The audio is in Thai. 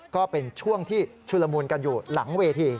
ก็เป็นช่วงที่ชุลมูลกันอยู่หลังเวที